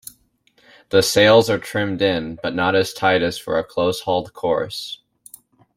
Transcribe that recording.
The sails are trimmed in, but not as tight as for a close-hauled course.